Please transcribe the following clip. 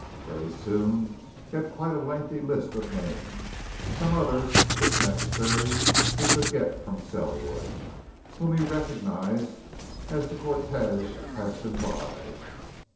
Very soon he had quite a lengthy list of names; some others, if necessary, he could get from Selwood, whom he recognized as the cortège passed him by.